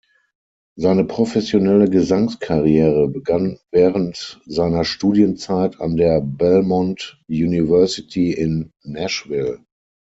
Seine professionelle Gesangskarriere begann während seiner Studienzeit an der Belmont University in Nashville.